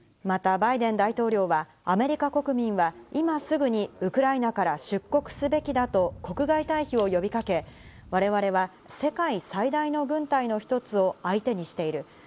またバイデン大統領はアメリカ国民は今すぐにウクライナから出国すべきだと国外退避を呼びかけ、我々は世界最大の軍隊の一つを相手にしている。